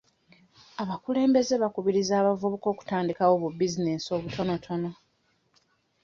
Abakulembeze bakubiriza abavubuka okutandikawo bubizinensi obutonotono.